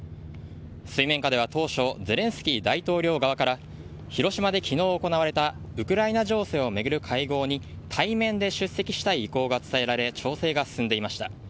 水面下では、当初ゼレンスキー大統領側から広島で昨日行われたウクライナ情勢を巡る会合に対面で出席したい意向が伝えられ調整が進んでいました。